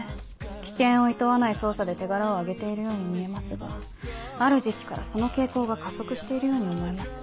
危険をいとわない捜査で手柄を上げているように見えますがある時期からその傾向が加速しているように思えます。